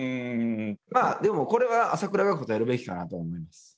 まあでもこれは朝倉が答えるべきかなと思います。